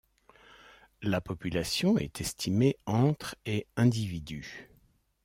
La population est estimée entre et individus.